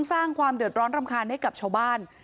สร้างความเดือดร้อนรำคาญให้กับชาวบ้าน